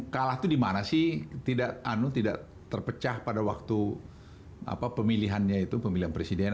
kalah dimana sih tidak anu tidak terpecah pada waktu apa pemilihannya itu pemilihan presiden